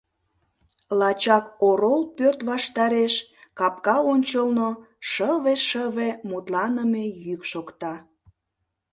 Лачак орол пӧрт ваштареш капка ончылно шыве-шыве мутланыме йӱк шокта.